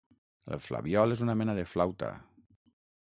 El flabiol és una mena de flauta...